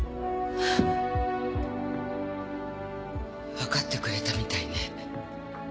わかってくれたみたいね。